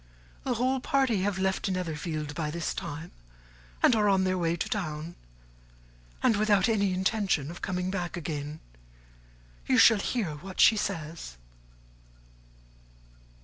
The whole party have left Netherfield by this time, and are on their way to town; and without any intention of coming back again. You shall hear what she says."